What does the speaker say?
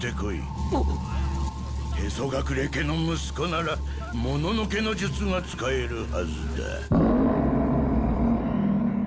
屁祖隠家の息子ならもののけの術が使えるはずだ。